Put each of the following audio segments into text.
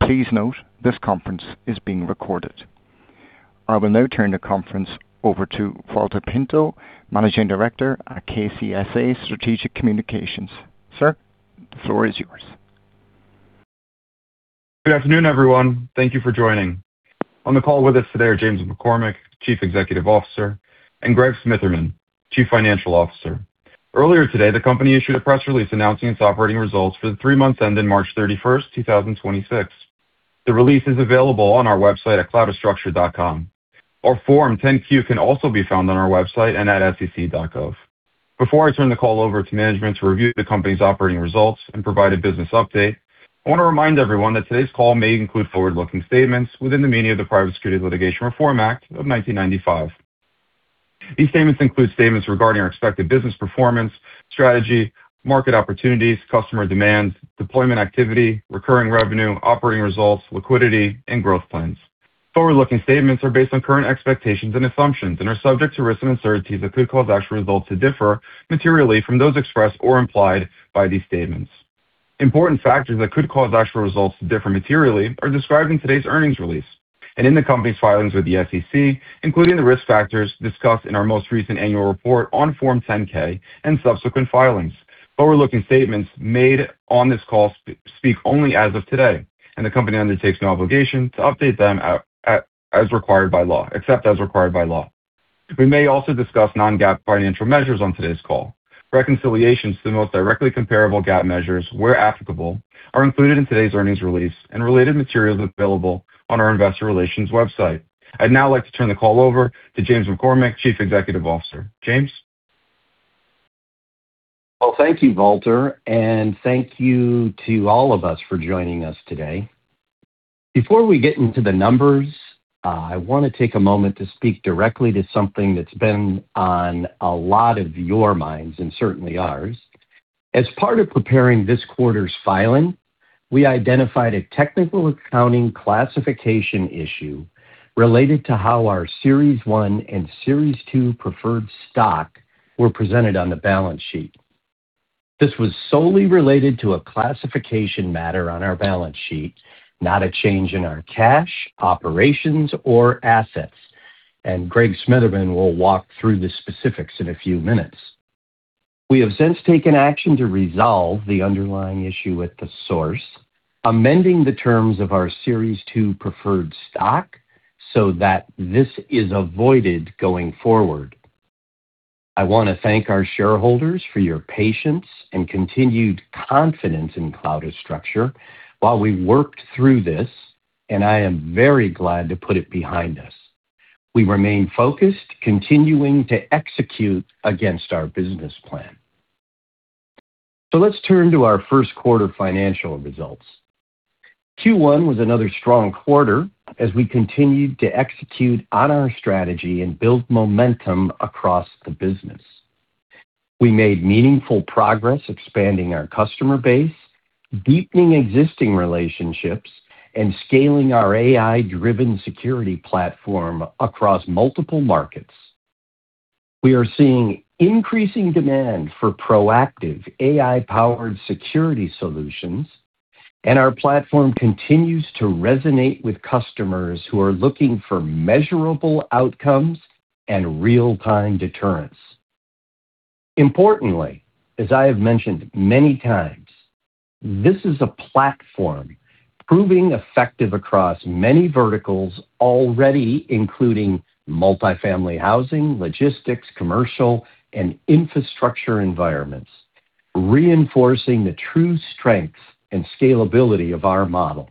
Please note this conference is being recorded. I will now turn the conference over to Valter Pinto, Managing Director at KCSA Strategic Communications. Sir, the floor is yours. Good afternoon, everyone. Thank you for joining. On the call with us today are James McCormick, Chief Executive Officer, and Greg Smitherman, Chief Financial Officer. Earlier today, the company issued a press release announcing its operating results for the three months ending March 31, 2026. The release is available on our website at cloudastructure.com. Our Form 10-Q can also be found on our website and at sec.gov. Before I turn the call over to management to review the company's operating results and provide a business update, I want to remind everyone that today's call may include forward-looking statements within the meaning of the Private Securities Litigation Reform Act of 1995. These statements include statements regarding our expected business performance, strategy, market opportunities, customer demands, deployment activity, recurring revenue, operating results, liquidity, and growth plans. Forward-looking statements are based on current expectations and assumptions and are subject to risks and uncertainties that could cause actual results to differ materially from those expressed or implied by these statements. Important factors that could cause actual results to differ materially are described in today's earnings release. In the company's filings with the SEC, including the risk factors discussed in our most recent annual report on Form 10-K and subsequent filings. Forward-looking statements made on this call speak only as of today, and the company undertakes no obligation to update them as required by law, except as required by law. We may also discuss non-GAAP financial measures on today's call. Reconciliations to the most directly comparable GAAP measures, where applicable, are included in today's earnings release and related materials available on our investor relations website. I'd now like to turn the call over to James McCormick, Chief Executive Officer. James? Thank you, Valter, and thank you to all of us for joining us today. Before we get into the numbers, I want to take a moment to speak directly to something that's been on a lot of your minds and certainly ours. As part of preparing this quarter's filing, we identified a technical accounting classification issue related to how our Series 1 and Series 2 Preferred Stock were presented on the balance sheet. This was solely related to a classification matter on our balance sheet, not a change in our cash, operations, or assets. Greg Smitherman will walk through the specifics in a few minutes. We have since taken action to resolve the underlying issue at the source, amending the terms of our Series 2 Preferred Stock so that this is avoided going forward. I want to thank our shareholders for your patience and continued confidence in Cloudastructure while we worked through this. I am very glad to put it behind us. We remain focused, continuing to execute against our business plan. Let's turn to our first quarter financial results. Q1 was another strong quarter as we continued to execute on our strategy and build momentum across the business. We made meaningful progress expanding our customer base, deepening existing relationships, and scaling our AI-driven security platform across multiple markets. We are seeing increasing demand for proactive AI-powered security solutions, and our platform continues to resonate with customers who are looking for measurable outcomes and real-time deterrence. Importantly, as I have mentioned many times, this is a platform proving effective across many verticals already, including multifamily housing, logistics, commercial, and infrastructure environments, reinforcing the true strength and scalability of our model.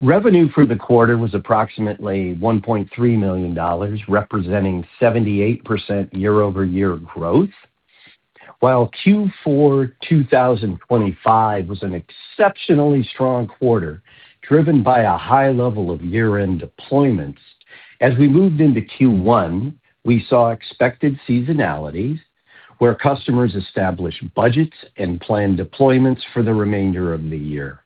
Revenue for the quarter was approximately $1.3 million, representing 78% year-over-year growth. While Q4 2025 was an exceptionally strong quarter, driven by a high level of year-end deployments, as we moved into Q1, we saw expected seasonality where customers established budgets and planned deployments for the remainder of the year.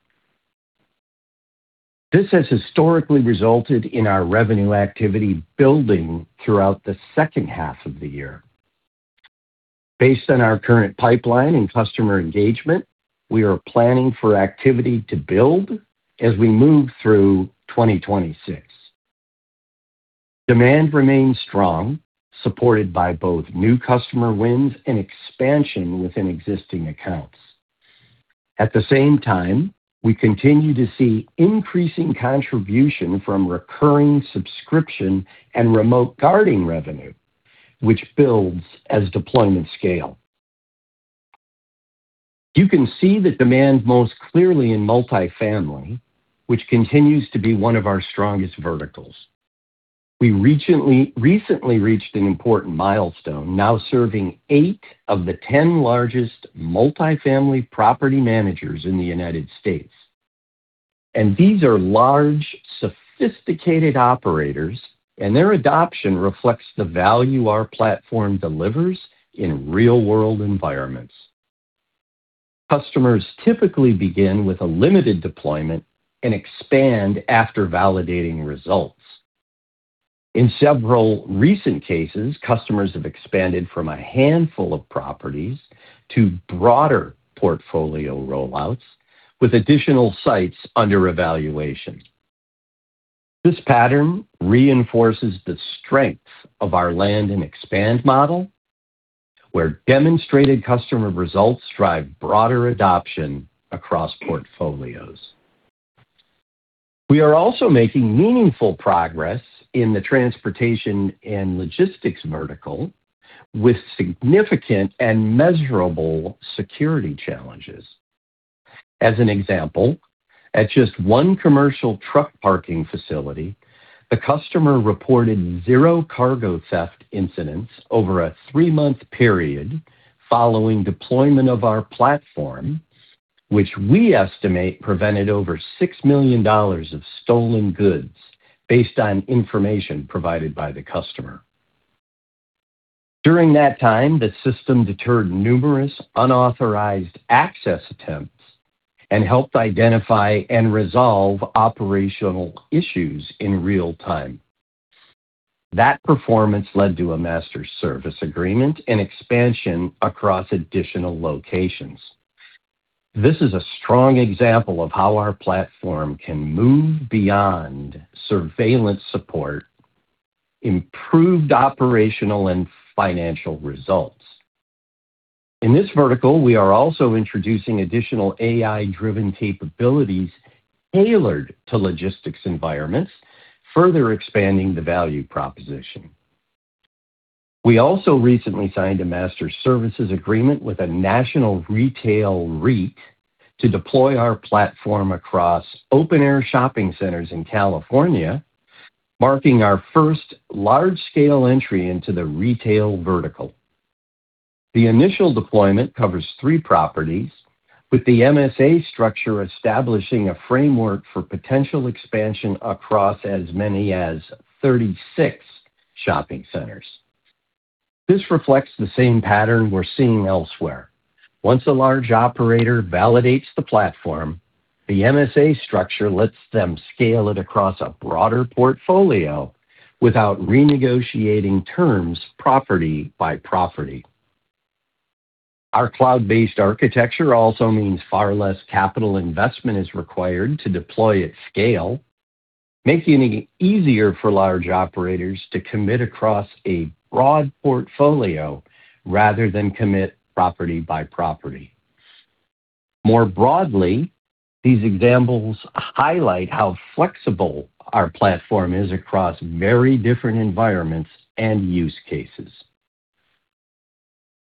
This has historically resulted in our revenue activity building throughout the second half of the year. Based on our current pipeline and customer engagement, we are planning for activity to build as we move through 2026. Demand remains strong, supported by both new customer wins and expansion within existing accounts. At the same time, we continue to see increasing contribution from recurring subscription and remote guarding revenue, which builds as deployment scale. You can see the demand most clearly in multifamily, which continues to be one of our strongest verticals. We recently reached an important milestone, now serving eight of the 10 largest multifamily property managers in the U.S. These are large, sophisticated operators, and their adoption reflects the value our platform delivers in real-world environments. Customers typically begin with a limited deployment and expand after validating results. In several recent cases, customers have expanded from a handful of properties to broader portfolio rollouts with additional sites under evaluation. This pattern reinforces the strength of our land and expand model, where demonstrated customer results drive broader adoption across portfolios. We are also making meaningful progress in the transportation and logistics vertical with significant and measurable security challenges. As an example, at just one commercial truck parking facility, the customer reported zero cargo theft incidents over a three-month period following deployment of our platform, which we estimate prevented over $6 million of stolen goods based on information provided by the customer. During that time, the system deterred numerous unauthorized access attempts and helped identify and resolve operational issues in real time. That performance led to a Master Service Agreement and expansion across additional locations. This is a strong example of how our platform can move beyond surveillance support, improved operational and financial results. In this vertical, we are also introducing additional AI-driven capabilities tailored to logistics environments, further expanding the value proposition. We also recently signed a Master Services Agreement with a National Retail REIT to deploy our platform across open-air shopping centers in California, marking our first large-scale entry into the retail vertical. The initial deployment covers three properties with the MSA structure establishing a framework for potential expansion across as many as 36 shopping centers. This reflects the same pattern we are seeing elsewhere. Once a large operator validates the platform, the MSA structure lets them scale it across a broader portfolio without renegotiating terms property by property. Our cloud-based architecture also means far less capital investment is required to deploy at scale, making it easier for large operators to commit across a broad portfolio rather than commit property by property. More broadly, these examples highlight how flexible our platform is across very different environments and use cases.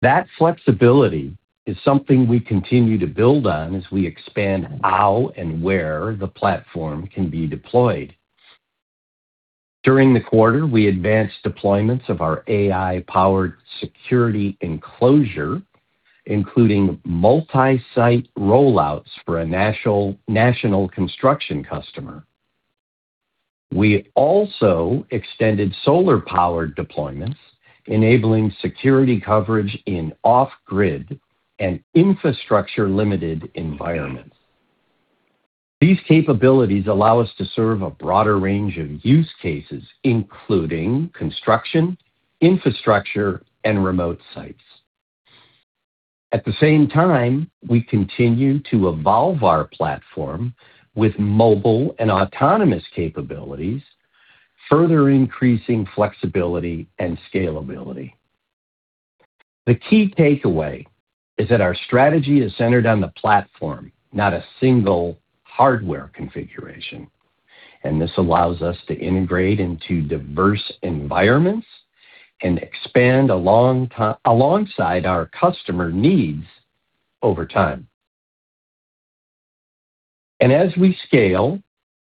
That flexibility is something we continue to build on as we expand how and where the platform can be deployed. During the quarter, we advanced deployments of our AI-powered security enclosure, including multi-site rollouts for a national construction customer. We also extended solar-powered deployments, enabling security coverage in off-grid and infrastructure-limited environments. These capabilities allow us to serve a broader range of use cases, including construction, infrastructure, and remote sites. At the same time, we continue to evolve our platform with mobile and autonomous capabilities, further increasing flexibility and scalability. The key takeaway is that our strategy is centered on the platform, not a single hardware configuration. This allows us to integrate into diverse environments and expand alongside our customer needs over time. As we scale,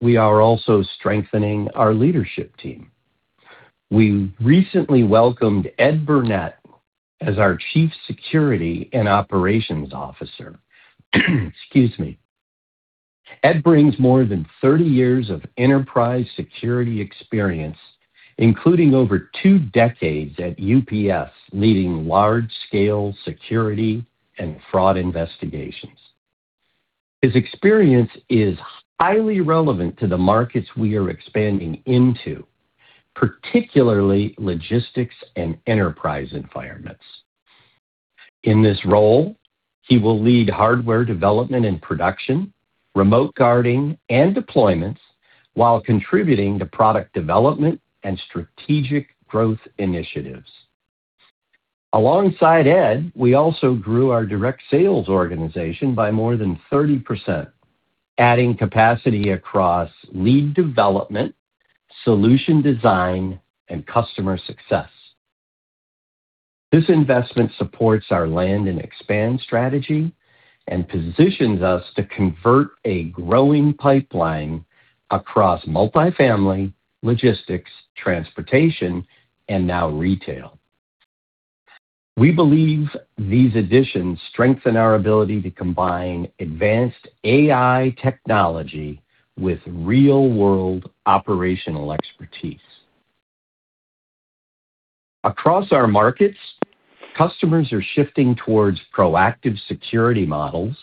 we are also strengthening our leadership team. We recently welcomed Ed Burnett as our Chief Security and Operations Officer. Excuse me. Ed brings more than 30 years of enterprise security experience, including over two decades at UPS, leading large-scale security and fraud investigations. His experience is highly relevant to the markets we are expanding into, particularly logistics and enterprise environments. In this role, he will lead hardware development and production, remote guarding, and deployments while contributing to product development and strategic growth initiatives. Alongside Ed, we also grew our direct sales organization by more than 30%, adding capacity across lead development, solution design, and customer success. This investment supports our land and expand strategy and positions us to convert a growing pipeline across multifamily, logistics, transportation, and now retail. We believe these additions strengthen our ability to combine advanced AI technology with real-world operational expertise. Across our markets, customers are shifting towards proactive security models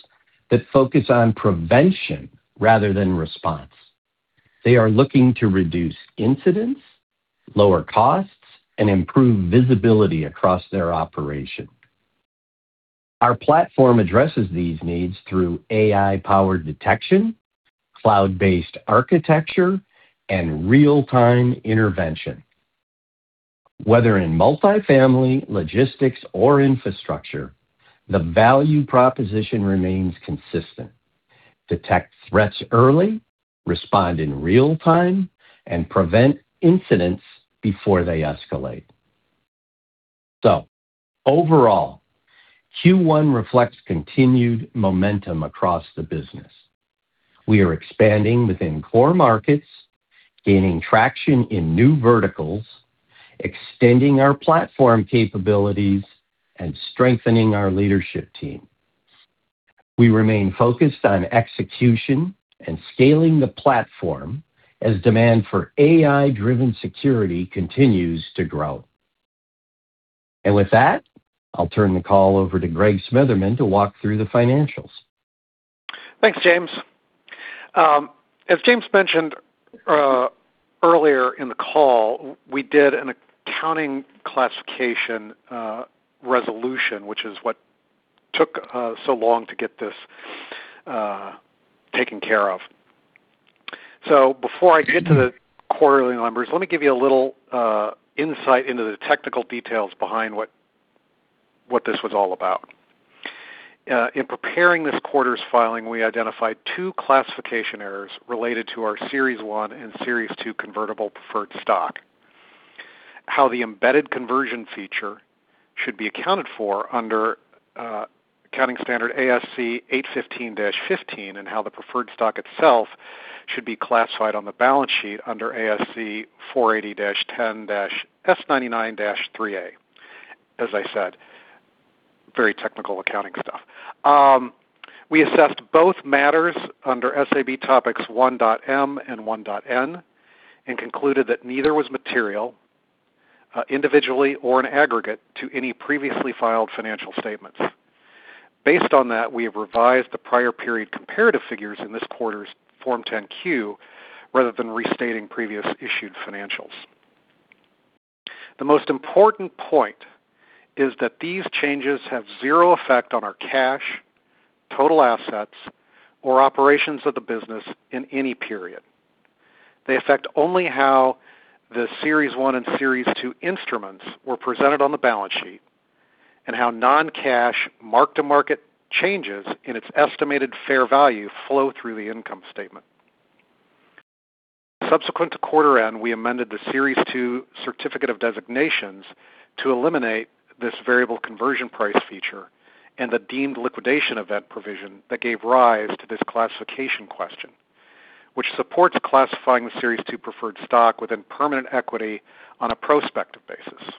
that focus on prevention rather than response. They are looking to reduce incidents, lower costs, and improve visibility across their operation. Our platform addresses these needs through AI-powered detection, cloud-based architecture, and real-time intervention. Whether in multifamily, logistics, or infrastructure, the value proposition remains consistent. Detect threats early, respond in real time, and prevent incidents before they escalate. Overall, Q1 reflects continued momentum across the business. We are expanding within core markets, gaining traction in new verticals, extending our platform capabilities, and strengthening our leadership team. We remain focused on execution and scaling the platform as demand for AI-driven security continues to grow. With that, I'll turn the call over to Greg Smitherman to walk through the financials. Thanks, James. As James mentioned earlier in the call, we did an accounting classification resolution, which is what took so long to get this taken care of. Before I get to the quarterly numbers, let me give you a little insight into the technical details behind what this was all about. In preparing this quarter's filing, we identified two classification errors related to our Series 1 and Series 2 Convertible Preferred Stock. How the embedded conversion feature should be accounted for under accounting standard ASC 815-15, and how the preferred stock itself should be classified on the balance sheet under ASC 480-10-S99-3A. As I said, very technical accounting stuff. We assessed both matters under SAB Topic 1.M and 1.N and concluded that neither was material, individually or in aggregate, to any previously filed financial statements. Based on that, we have revised the prior period comparative figures in this quarter's Form 10-Q, rather than restating previous issued financials. The most important point is that these changes have zero effect on our cash, total assets, or operations of the business in any period. They affect only how the Series 1 and Series 2 instruments were presented on the balance sheet, and how non-cash mark-to-market changes in its estimated fair value flow through the income statement. Subsequent to quarter end, we amended the Series 2 certificate of designations to eliminate this variable conversion price feature and the deemed liquidation event provision that gave rise to this classification question, which supports classifying the Series 2 preferred stock within permanent equity on a prospective basis.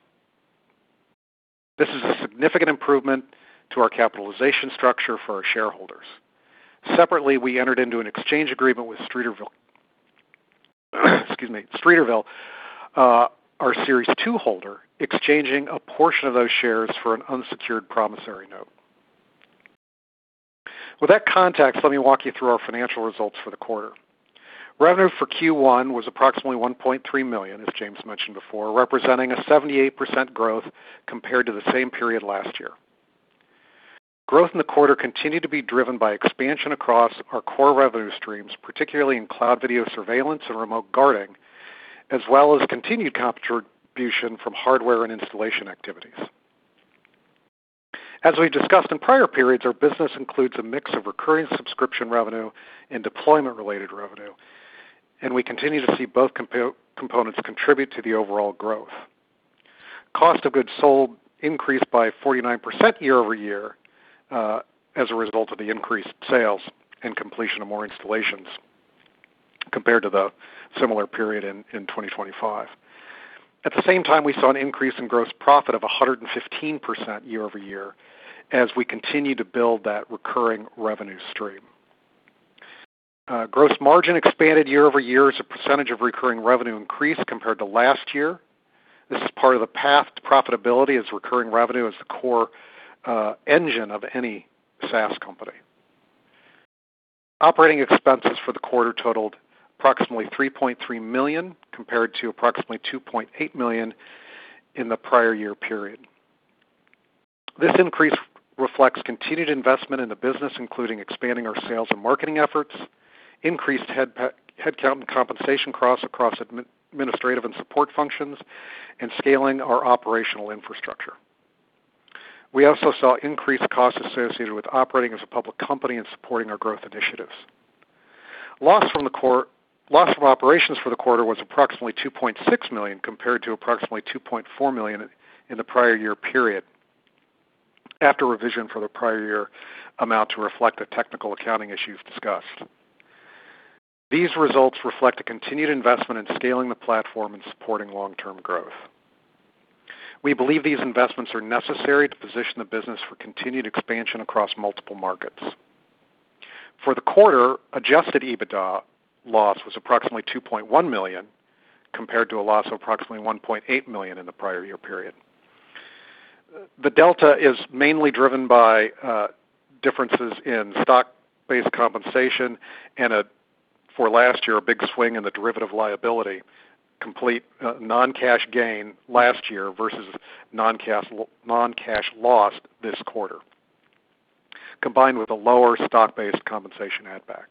This is a significant improvement to our capitalization structure for our shareholders. Separately, we entered into an exchange agreement with Streeterville, our Series 2 holder, exchanging a portion of those shares for an unsecured promissory note. With that context, let me walk you through our financial results for the quarter. Revenue for Q1 was approximately $1.3 million, as James mentioned before, representing a 78% growth compared to the same period last year. Growth in the quarter continued to be driven by expansion across our core revenue streams, particularly in cloud video surveillance and remote guarding, as well as continued contribution from hardware and installation activities. As we discussed in prior periods, our business includes a mix of recurring subscription revenue and deployment-related revenue, and we continue to see both components contribute to the overall growth. Cost of goods sold increased by 49% year-over-year as a result of the increased sales and completion of more installations compared to the similar period in 2025. At the same time, we saw an increase in gross profit of 115% year-over-year as we continue to build that recurring revenue stream. Gross margin expanded year-over-year as a percentage of recurring revenue increased compared to last year. This is part of the path to profitability as recurring revenue is the core engine of any SaaS company. Operating expenses for the quarter totaled approximately $3.3 million, compared to approximately $2.8 million in the prior year period. This increase reflects continued investment in the business, including expanding our sales and marketing efforts, increased headcount and compensation costs across administrative and support functions, scaling our operational infrastructure. We also saw increased costs associated with operating as a public company and supporting our growth initiatives. Loss from operations for the quarter was approximately $2.6 million, compared to approximately $2.4 million in the prior year period, after revision for the prior year amount to reflect the technical accounting issue discussed. These results reflect a continued investment in scaling the platform and supporting long-term growth. We believe these investments are necessary to position the business for continued expansion across multiple markets. For the quarter, adjusted EBITDA loss was approximately $2.1 million, compared to a loss of approximately $1.8 million in the prior year period. The delta is mainly driven by differences in stock-based compensation, for last year, a big swing in the derivative liability, complete non-cash gain last year versus non-cash loss this quarter, combined with a lower stock-based compensation add back.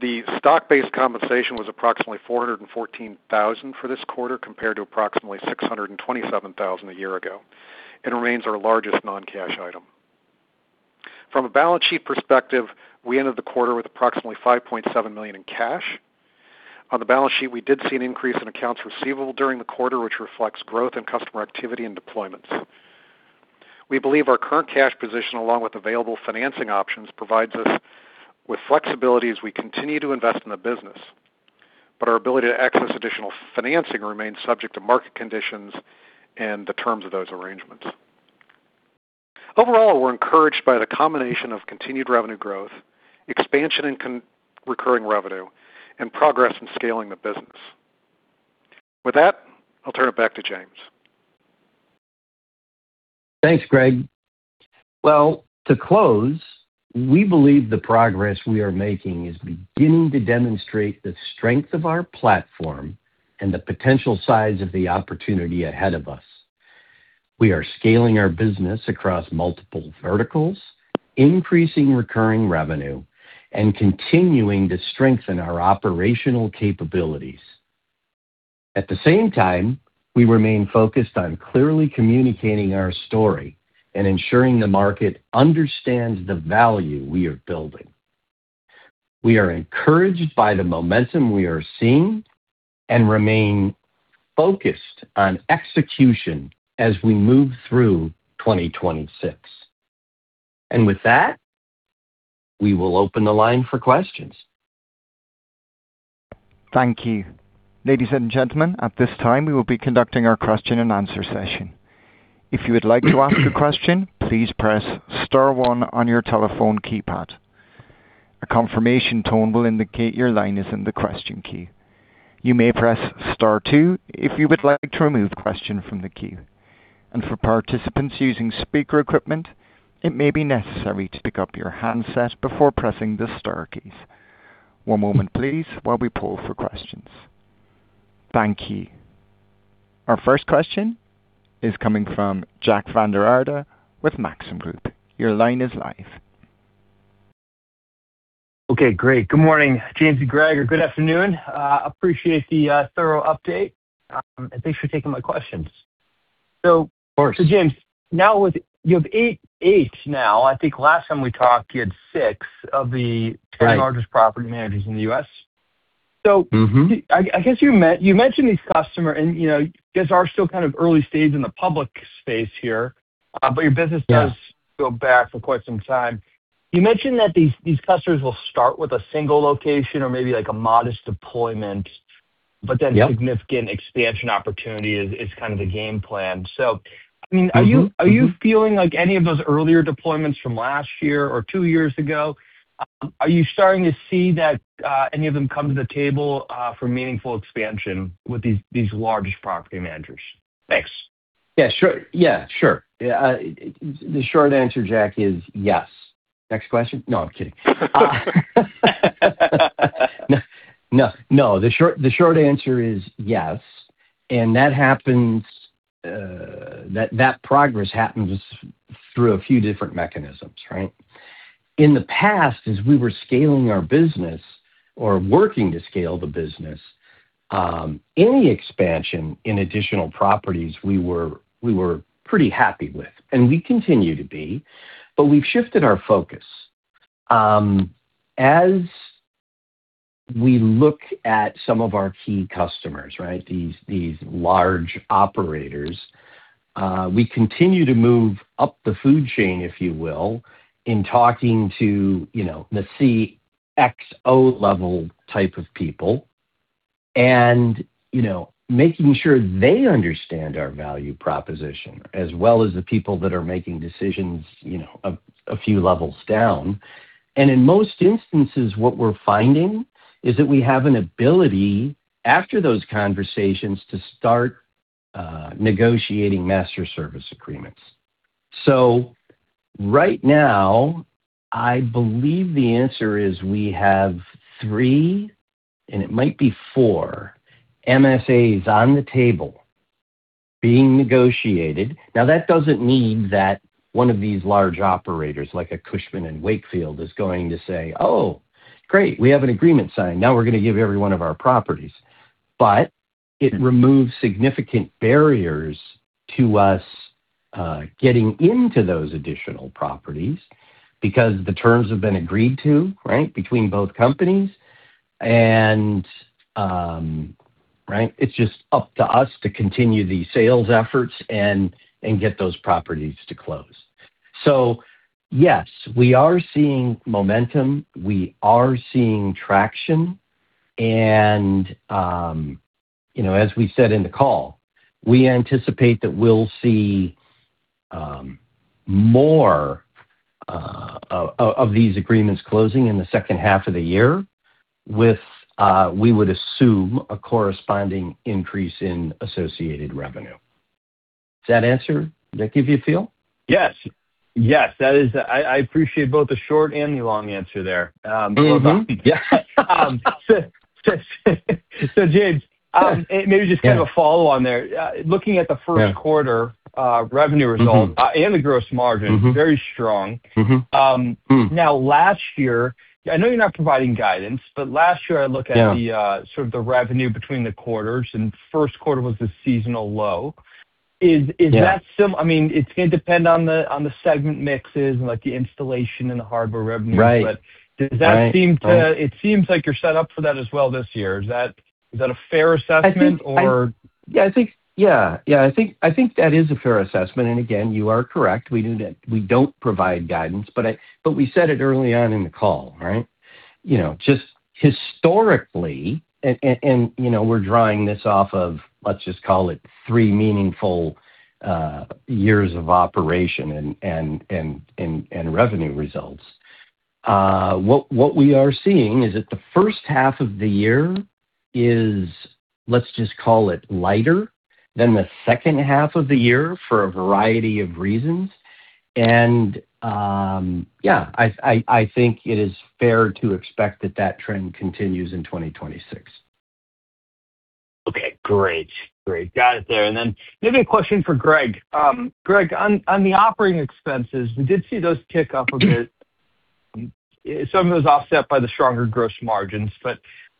The stock-based compensation was approximately $414,000 for this quarter, compared to approximately $627,000 a year ago, and remains our largest non-cash item. From a balance sheet perspective, we ended the quarter with approximately $5.7 million in cash. On the balance sheet, we did see an increase in accounts receivable during the quarter, which reflects growth in customer activity and deployments. We believe our current cash position, along with available financing options, provides us with flexibility as we continue to invest in the business. Our ability to access additional financing remains subject to market conditions and the terms of those arrangements. Overall, we're encouraged by the combination of continued revenue growth, expansion in recurring revenue, and progress in scaling the business. With that, I'll turn it back to James. Thanks, Greg. Well, to close, we believe the progress we are making is beginning to demonstrate the strength of our platform and the potential size of the opportunity ahead of us. We are scaling our business across multiple verticals, increasing recurring revenue, continuing to strengthen our operational capabilities. At the same time, we remain focused on clearly communicating our story and ensuring the market understands the value we are building. We are encouraged by the momentum we are seeing and remain focused on execution as we move through 2026. With that, we will open the line for questions. Thank you. Ladies and gentlemen, at this time, we will be conducting our question and answer session. If you would like to ask a question, please press star one on your telephone keypad. A confirmation tone will indicate your line is in the question queue. You may press star two if you would like to remove question from the queue. For participants using speaker equipment, it may be necessary to pick up your handset before pressing the star keys. One moment please while we poll for questions. Thank you. Our first question is coming from Jack Vander Aarde with Maxim Group. Your line is live. Okay, great. Good morning, James and Greg, or good afternoon. Appreciate the thorough update. Thanks for taking my questions. Of course. James, you have eight now. I think last time we talked, you had six of the- Right 10 largest property managers in the U.S. I guess you mentioned these customers, and you guys are still kind of early stage in the public space here. Your business- Yeah does go back for quite some time. You mentioned that these customers will start with a single location or maybe a modest deployment- Yep that significant expansion opportunity is kind of the game plan. Are you feeling like any of those earlier deployments from last year or two years ago, are you starting to see that any of them come to the table for meaningful expansion with these large property managers? Thanks. Yeah, sure. The short answer, Jack, is yes. Next question. No, I'm kidding. No. The short answer is yes. That progress happens through a few different mechanisms, right? In the past, as we were scaling our business or working to scale the business, any expansion in additional properties, we were pretty happy with, and we continue to be. We've shifted our focus. As we look at some of our key customers, these large operators, we continue to move up the food chain, if you will, in talking to the CXO-level type of people and making sure they understand our value proposition as well as the people that are making decisions a few levels down. In most instances, what we're finding is that we have an ability, after those conversations, to start negotiating Master Service Agreements. Right now, I believe the answer is we have three, and it might be four, MSAs on the table being negotiated. That doesn't mean that one of these large operators, like a Cushman & Wakefield, is going to say, "Oh, great. We have an agreement signed. Now we're going to give every one of our properties." It removes significant barriers to us getting into those additional properties because the terms have been agreed to between both companies. It's just up to us to continue the sales efforts and get those properties to close. Yes, we are seeing momentum. We are seeing traction. As we said in the call, we anticipate that we'll see more of these agreements closing in the second half of the year with, we would assume, a corresponding increase in associated revenue. Does that answer, did that give you a feel? Yes. I appreciate both the short and the long answer there. James. Yeah maybe just kind of a follow on there. Looking at the first quarter. Yeah revenue result the gross margin very strong last year, I know you're not providing guidance, but last year I look at. Yeah sort of the revenue between the quarters, and first quarter was the seasonal low. Yeah. It's going to depend on the segment mixes and the installation and the hardware revenue. Right. It seems like you're set up for that as well this year. Is that a fair assessment, or? Yeah, I think that is a fair assessment, and again, you are correct. We don't provide guidance. We said it early on in the call, right? Just historically, and we're drawing this off of, let's just call it three meaningful years of operation and revenue results. What we are seeing is that the first half of the year is, let's just call it lighter than the second half of the year for a variety of reasons, and yeah, I think it is fair to expect that that trend continues in 2026. Okay, great. Got it there. Then maybe a question for Greg. Greg, on the operating expenses, we did see those tick up a bit. Some of it was offset by the stronger gross margins.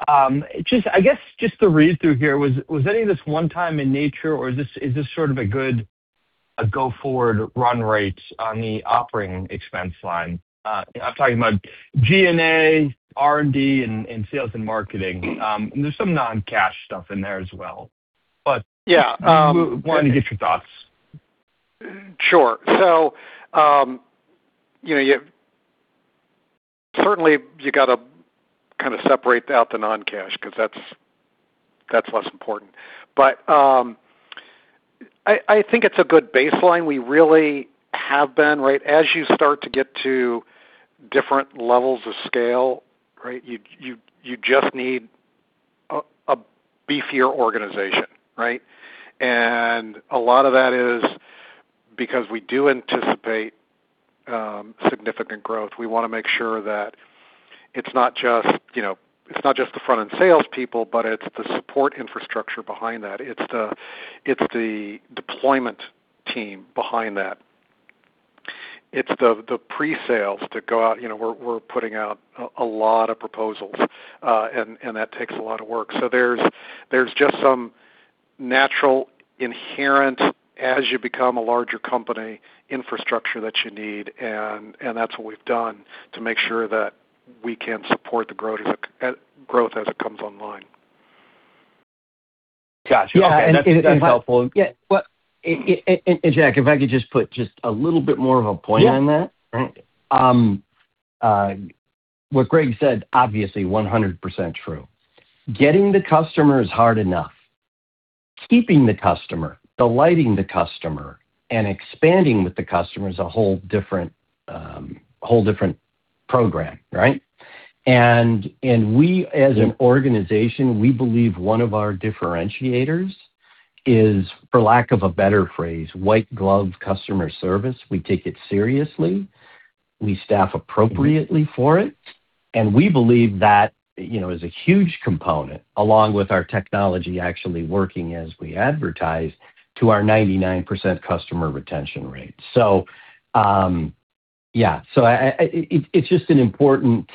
I guess just to read through here, was any of this one time in nature, or is this sort of a good go forward run rate on the operating expense line? I'm talking about G&A, R&D, and sales and marketing. There's some non-cash stuff in there as well. Yeah wanted to get your thoughts. Sure. Certainly you've got to separate out the non-cash because that's less important. I think it's a good baseline. We really have been, right? As you start to get to different levels of scale, you just need a beefier organization, right? A lot of that is because we do anticipate significant growth. We want to make sure that it's not just the front end salespeople, but it's the support infrastructure behind that. It's the deployment team behind that. It's the pre-sales to go out. We're putting out a lot of proposals, and that takes a lot of work. There's just some natural, inherent, as you become a larger company, infrastructure that you need, and that's what we've done to make sure that we can support the growth as it comes online. Got you. Okay. That's helpful. Yeah. Jack, if I could just put just a little bit more of a point on that. Yeah. What Greg said, obviously 100% true. Getting the customer is hard enough. Keeping the customer, delighting the customer, and expanding with the customer is a whole different program, right? We as an organization, we believe one of our differentiators is, for lack of a better phrase, white glove customer service. We take it seriously, we staff appropriately for it, and we believe that is a huge component, along with our technology actually working as we advertise, to our 99% customer retention rate. Yeah. It's just an important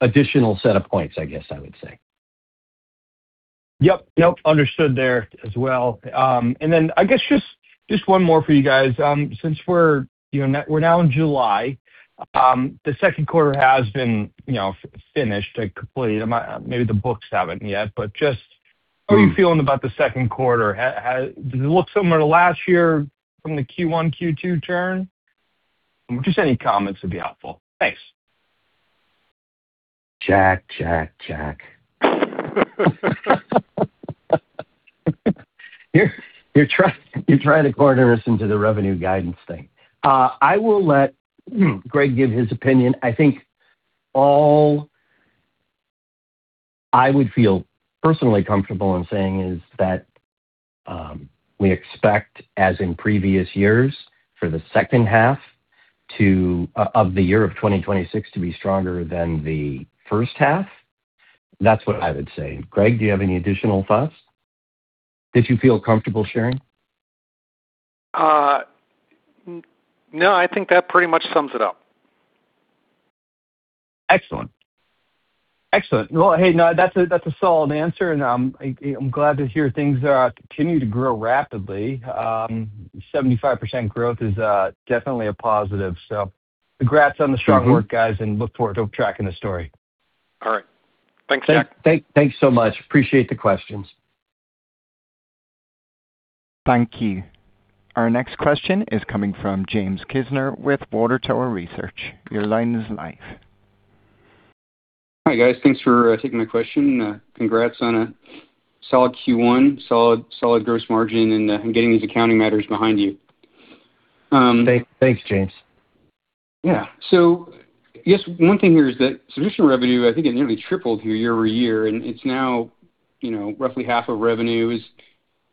additional set of points, I guess I would say. Yep. Understood there as well. I guess just one more for you guys. Since we're now in July, the second quarter has been finished, like completed. Maybe the books haven't yet. Just how are you feeling about the second quarter? Does it look similar to last year from the Q1, Q2 turn? Just any comments would be helpful. Thanks. Jack. You're trying to corner us into the revenue guidance thing. I will let Greg give his opinion. I think all I would feel personally comfortable in saying is that we expect, as in previous years, for the second half of the year of 2026 to be stronger than the first half. That's what I would say. Greg, do you have any additional thoughts that you feel comfortable sharing? No, I think that pretty much sums it up. Excellent. Excellent. Well, hey, no, that's a solid answer, and I'm glad to hear things are continuing to grow rapidly. 78% growth is definitely a positive. Congrats on the strong work, guys, and look forward to tracking the story. All right. Thanks, Jack. Thanks so much. Appreciate the questions. Thank you. Our next question is coming from James Kisner with Water Tower Research. Your line is live Hi guys. Thanks for taking my question. Congrats on a solid Q1, solid gross margin, and getting these accounting matters behind you. Thanks, James. Yeah. I guess one thing here is that subscription revenue, I think it nearly tripled here year-over-year, and it's now roughly half of revenue.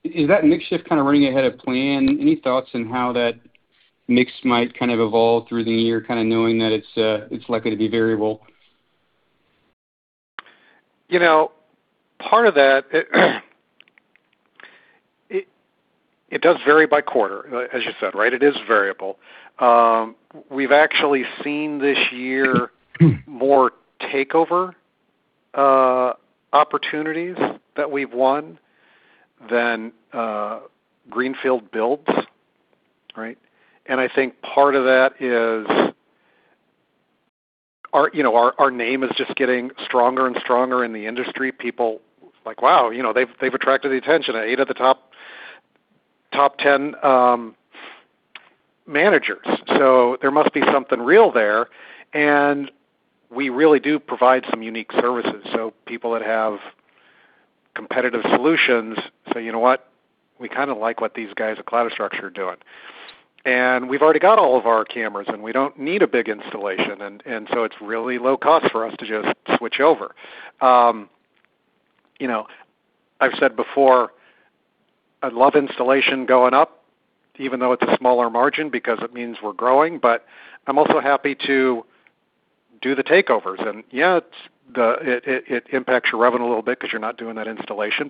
Is that mix shift kind of running ahead of plan? Any thoughts on how that mix might kind of evolve through the year, kind of knowing that it's likely to be variable? Part of that, it does vary by quarter, as you said, right? It is variable. We've actually seen this year more takeover opportunities that we've won than greenfield builds. Right? I think part of that is our name is just getting stronger and stronger in the industry. People are like, "Wow, they've attracted the attention of eight of the top 10 managers. There must be something real there." We really do provide some unique services. People that have competitive solutions say, "You know what? We kind of like what these guys at Cloudastructure are doing. We've already got all of our cameras, we don't need a big installation, it's really low cost for us to just switch over." I've said before, I'd love installation going up, even though it's a smaller margin, because it means we're growing, I'm also happy to do the takeovers. Yeah, it impacts your revenue a little bit because you're not doing that installation.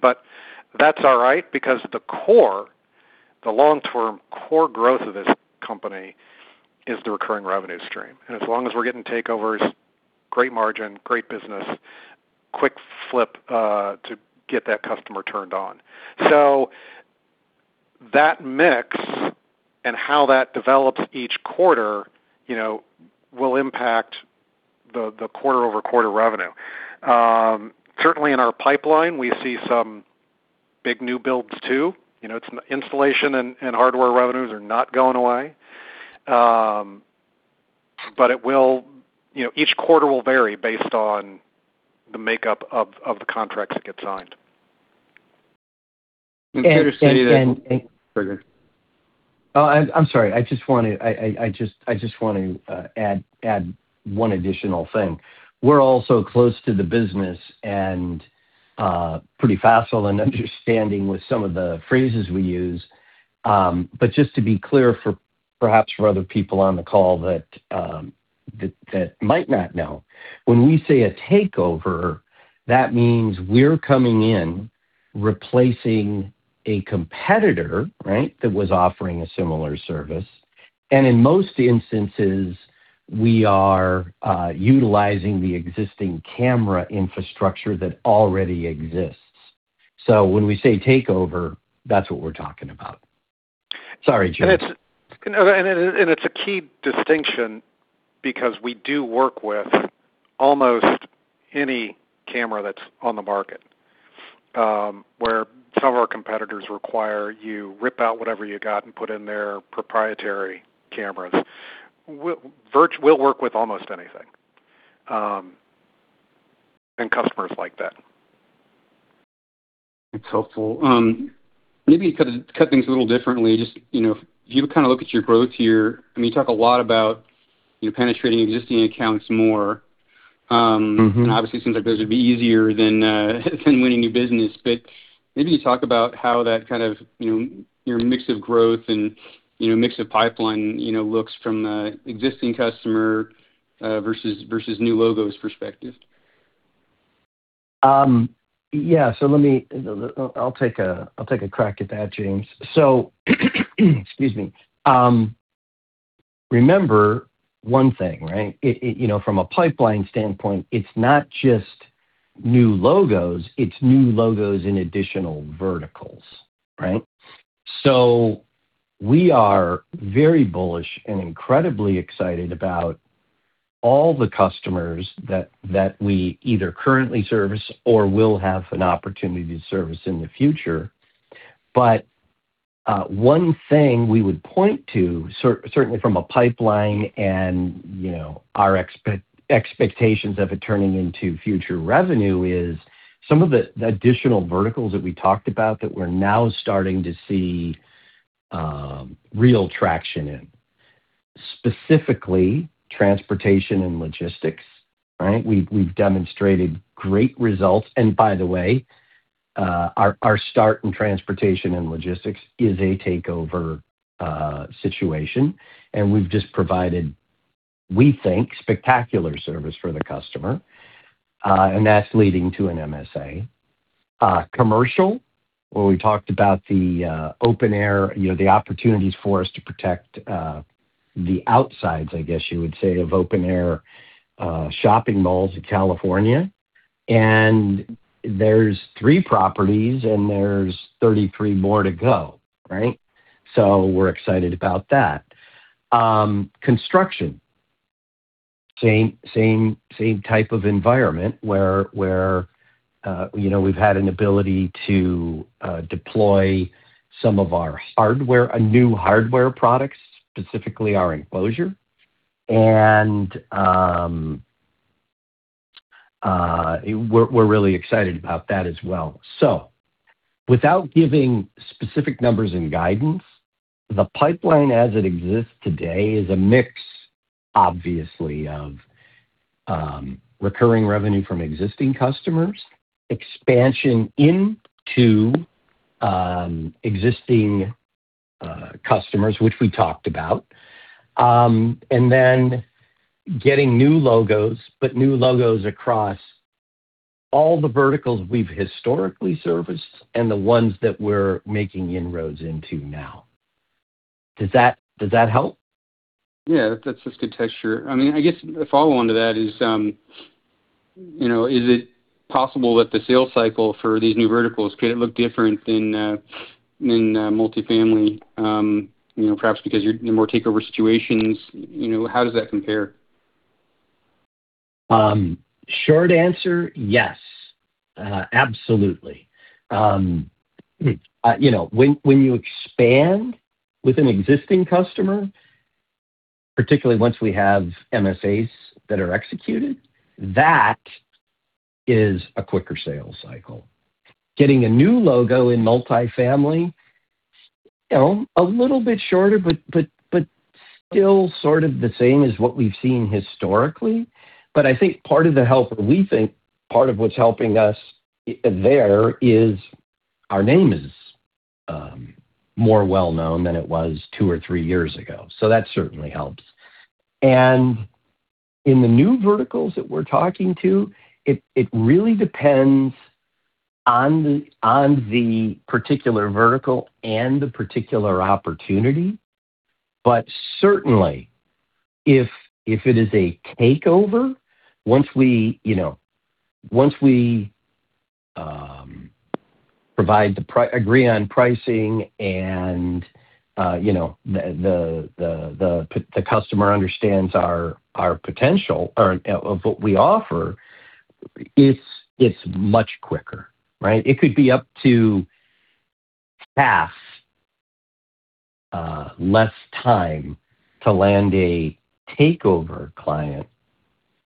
That's all right, because the core, the long-term core growth of this company is the recurring revenue stream. As long as we're getting takeovers, great margin, great business, quick flip, to get that customer turned on. That mix and how that develops each quarter will impact the quarter-over-quarter revenue. Certainly in our pipeline, we see some big new builds, too. Installation and hardware revenues are not going away each quarter will vary based on the makeup of the contracts that get signed. did you say that? Go ahead. Oh, I'm sorry. I just want to add one additional thing. We're all so close to the business and pretty facile in understanding with some of the phrases we use. Just to be clear perhaps for other people on the call that might not know, when we say a takeover, that means we're coming in, replacing a competitor, right, that was offering a similar service. In most instances, we are utilizing the existing camera infrastructure that already exists. When we say takeover, that's what we're talking about. Sorry, James. It's a key distinction because we do work with almost any camera that's on the market, where some of our competitors require you rip out whatever you got and put in their proprietary cameras. We'll work with almost anything, and customers like that. That's helpful. Maybe to cut things a little differently, if you kind of look at your growth here, you talk a lot about penetrating existing accounts more. Obviously it seems like those would be easier than winning new business. Maybe you talk about how your mix of growth and mix of pipeline looks from the existing customer versus new logos perspective. Yeah. I'll take a crack at that, James. Excuse me. Remember one thing, right? From a pipeline standpoint, it's not just new logos, it's new logos in additional verticals, right? We are very bullish and incredibly excited about all the customers that we either currently service or will have an opportunity to service in the future. One thing we would point to, certainly from a pipeline and our expectations of it turning into future revenue, is some of the additional verticals that we talked about that we're now starting to see real traction in, specifically transportation and logistics, right? We've demonstrated great results. By the way, our start in transportation and logistics is a takeover situation, and we've just provided, we think, spectacular service for the customer. That's leading to an MSA. Commercial, where we talked about the open air, the opportunities for us to protect the outsides, I guess you would say, of open air shopping malls in California. There's three properties, and there's 33 more to go, right? We're excited about that. Construction. Same type of environment where we've had an ability to deploy some of our new hardware products, specifically our enclosure, and we're really excited about that as well. Without giving specific numbers and guidance, the pipeline as it exists today is a mix, obviously, of recurring revenue from existing customers, expansion into existing customers, which we talked about, and then getting new logos, but new logos across all the verticals we've historically serviced and the ones that we're making inroads into now. Does that help? Yeah, that's just good texture. I guess the follow-on to that is it possible that the sales cycle for these new verticals, could it look different in multi-family? Perhaps because you're in more takeover situations, how does that compare? Short answer, yes. Absolutely. When you expand with an existing customer, particularly once we have MSAs that are executed, that is a quicker sales cycle. Getting a new logo in multi-family, a little bit shorter, but still sort of the same as what we've seen historically. I think part of the help, or we think part of what's helping us there is our name is more well-known than it was two or three years ago. That certainly helps. In the new verticals that we're talking to, it really depends on the particular vertical and the particular opportunity. Certainly, if it is a takeover, once we agree on pricing and the customer understands our potential or what we offer, it's much quicker, right? It could be up to half less time to land a takeover client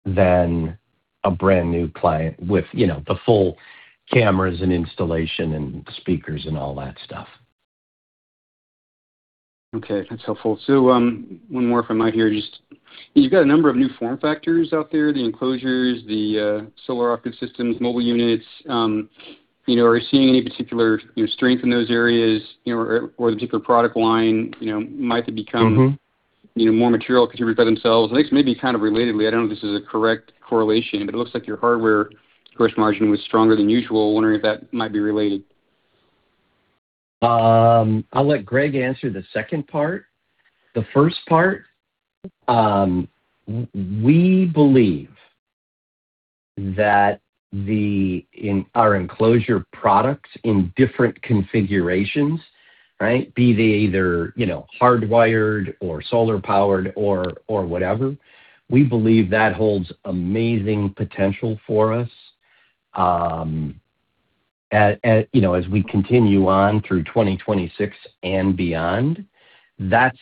than a brand-new client with the full cameras and installation and speakers and all that stuff. Okay, that's helpful. One more from my end here. You've got a number of new form factors out there, the enclosures, the solar-active systems, mobile units. Are you seeing any particular strength in those areas or the particular product line might have become more material contributor by themselves? I think this may be kind of relatedly, I don't know if this is a correct correlation, it looks like your hardware gross margin was stronger than usual. I'm wondering if that might be related. I'll let Greg answer the second part. The first part, we believe that our enclosure products in different configurations, right? Be they either hardwired or solar-powered or whatever, we believe that holds amazing potential for us as we continue on through 2026 and beyond. That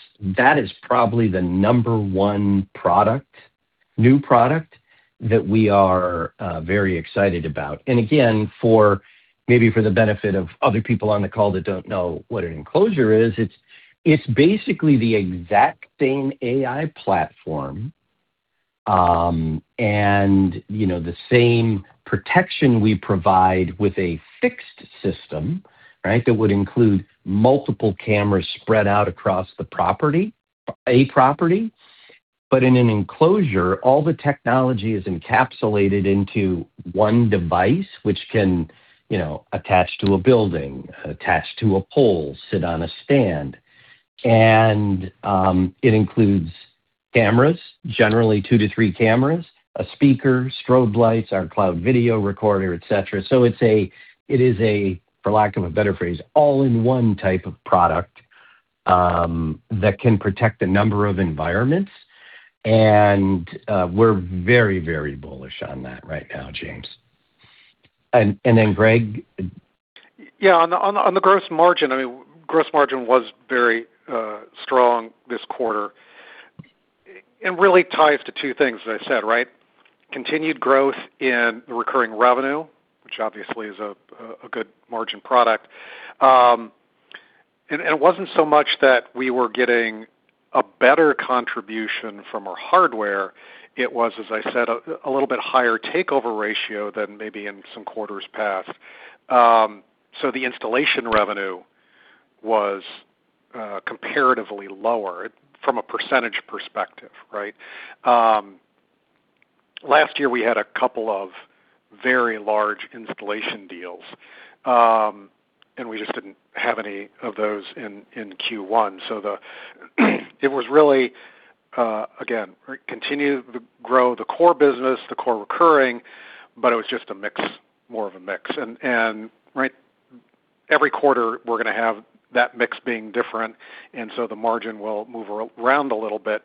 is probably the number 1 new product that we are very excited about. Again, maybe for the benefit of other people on the call that don't know what an enclosure is, it's basically the exact same AI Platform, and the same protection we provide with a fixed system, right? That would include multiple cameras spread out across a property. In an enclosure, all the technology is encapsulated into one device, which can attach to a building, attach to a pole, sit on a stand. It includes cameras, generally two to three cameras, a speaker, strobe lights, our cloud video recorder, et cetera. It is a, for lack of a better phrase, all-in-one type of product that can protect a number of environments. We're very bullish on that right now, James. Then Greg. Yeah. On the gross margin, gross margin was very strong this quarter, and really ties to two things, as I said. Continued growth in the recurring revenue, which obviously is a good margin product. It wasn't so much that we were getting a better contribution from our hardware. It was, as I said, a little bit higher takeover ratio than maybe in some quarters past. The installation revenue was comparatively lower from a percentage perspective. Last year, we had a couple of very large installation deals, and we just didn't have any of those in Q1. It was really, again, continue to grow the core business, the core recurring, but it was just more of a mix. Every quarter, we're going to have that mix being different, the margin will move around a little bit.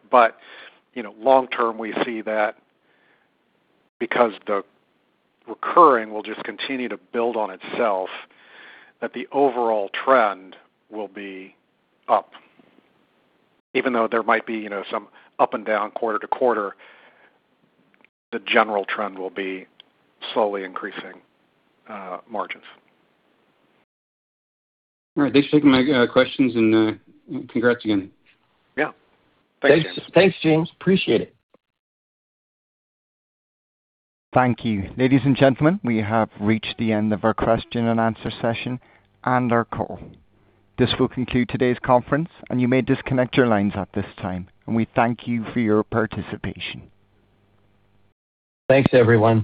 Long term, we see that because the recurring will just continue to build on itself, that the overall trend will be up. Even though there might be some up and down quarter-to-quarter, the general trend will be slowly increasing margins. All right. Thanks for taking my questions and congrats again. Yeah. Thanks, James. Thanks, James. Appreciate it. Thank you. Ladies and gentlemen, we have reached the end of our question and answer session and our call. This will conclude today's conference, and you may disconnect your lines at this time, and we thank you for your participation. Thanks, everyone